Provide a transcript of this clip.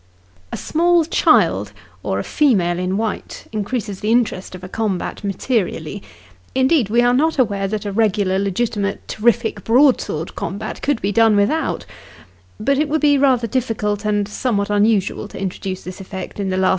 A small child, or a female in white, increases the interest of a combat materially indeed, we are not aware that a regular legitimate terrific broadsword combat could be done without ; but it would be rather difficult, and somewhat un usual, to introduce this effect in the last